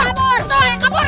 ada yang kabur